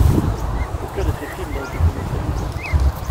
Aucun de ces films n’a été commercialisé.